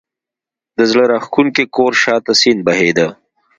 د زړه راکښونکي کور شا ته سیند بهېده.